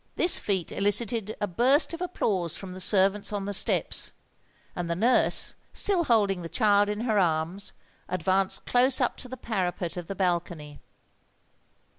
This feat elicited a burst of applause from the servants on the steps; and the nurse, still holding the child in her arms, advanced close up to the parapet of the balcony.